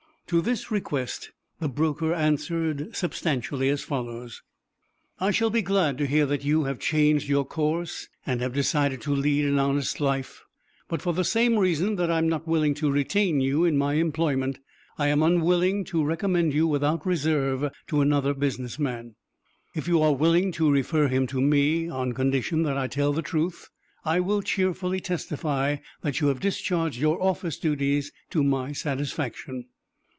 To this request the broker answered substantially as follows: "I shall be glad to hear that you have changed your course, and have decided to lead an honest lift; but, for the same reason that I am not willing to retain you in my employment, I am unwilling to recommend you without reserve to another business man. If you are willing to refer him to me, on condition that I tell the truth, I will cheerfully testify that you have discharged your office duties to my satisfaction."